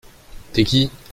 T’es qui ?